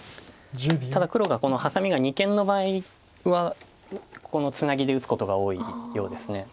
ただ黒がハサミが二間の場合はこのツナギで打つことが多いようです。